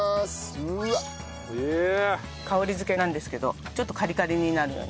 香りづけなんですけどちょっとカリカリになるように。